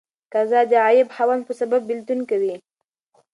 قضا د غائب خاوند په سبب بيلتون کوي.